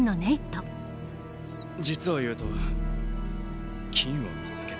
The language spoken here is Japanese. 実を言うと金を見つけた。